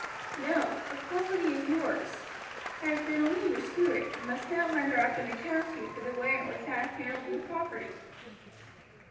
"No, the property is yours; I have been only your steward, and must now render up an account to you for the way in which I have handled your property."